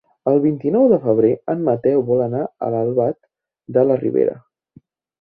El vint-i-nou de febrer en Mateu vol anar a Albalat de la Ribera.